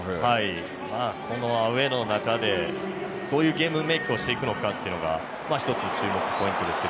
このアウェーの中でどうゲームメイクをしていくか１つ、注目ポイントですが。